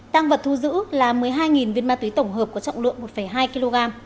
tăng vật thu giữ là một mươi hai viên ma túy tổng hợp có trọng lượng một hai kg